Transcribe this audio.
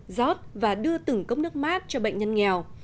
giót và đưa từng cốc nước mát cho bệnh nhân nghèo